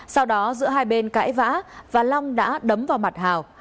sau đó giữa hai bên cãi vã và long đã đấm vào mặt hào